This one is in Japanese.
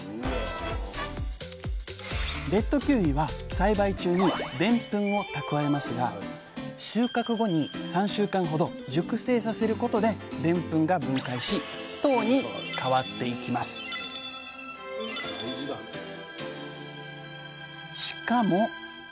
レッドキウイは栽培中にでんぷんを蓄えますが収穫後に３週間ほど熟成させることででんぷんが分解し糖に変わっていきますしかも！